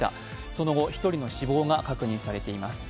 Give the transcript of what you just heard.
その後、１人の死亡が確認されています。